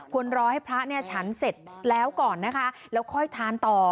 ควรรอให้พระเนี่ยฉันเสร็จแล้วก่อนนะคะแล้วค่อยทานต่อ